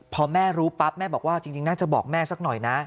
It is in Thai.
พอแม่รู้ปั๊บแม่บอกว่าจริงน่าจะบอกแม่สักหน่อยนะ